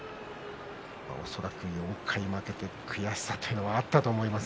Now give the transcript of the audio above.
恐らく４回負けての悔しさというのはあったと思います。